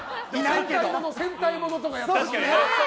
戦隊ものとかやってたり。